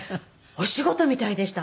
お仕事みたいでした。